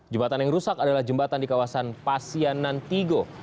jembatan yang rusak adalah jembatan di kawasan pasianantigo